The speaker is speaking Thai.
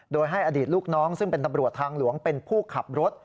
โดยให้อดีตลูกน้องซึ่งเป็นตำรวจทางหลวงเป็นผู้ขับรถ